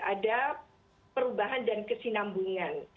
ada perubahan dan kesinambungan